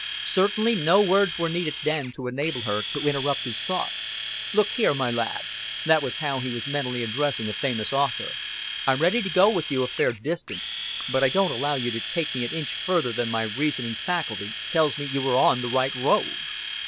Certainly no words were needed then to enable her to interpret his thought. "Look here, my lad" that was how he was mentally addressing a famous author "I'm ready to go with you a fair distance; but I don't allow you to take me an inch further than my reasoning faculty tells me you are on the right road."